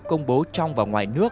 công bố trong và ngoài nước